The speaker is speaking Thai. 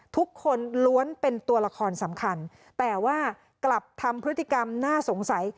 ทุกคนล้วนเป็นตัวละครสำคัญแต่ว่ากลับทำพฤติกรรมน่าสงสัย